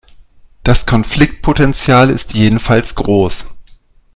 Das Konfliktpotenzial ist jedenfalls groß.